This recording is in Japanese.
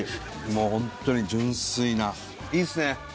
もうホントに純粋ないいっすね。